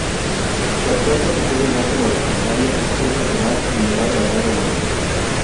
Su actual consejero y máximo responsable es Pedro Tomás Nevado-Batalla Moreno.